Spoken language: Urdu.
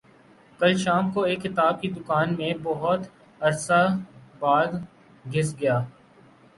کل شام کو ایک کتاب کی دکان میں بہت عرصہ بعد گھس گیا